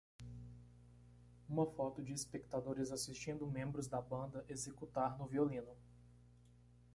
Uma foto de espectadores assistindo membros da banda executar no violino.